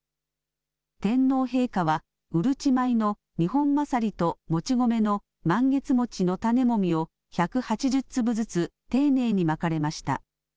天皇陛下は、うるち米のニホンマサリと、もち米のマンゲツモチの種もみを、１８０粒ずつ丁寧にまかれました。